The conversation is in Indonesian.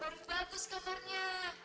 baru bagus kamarnya